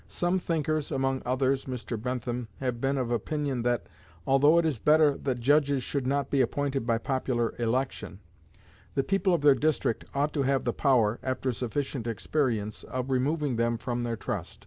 Some thinkers, among others Mr. Bentham, have been of opinion that, although it is better that judges should not be appointed by popular election, the people of their district ought to have the power, after sufficient experience, of removing them from their trust.